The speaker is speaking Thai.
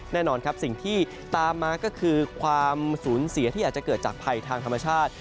แน่นอนครับสิ่งที่ตามมาก็คือความสูญเสียที่อาจจะเกิดจากภัยทางธรรมชาติ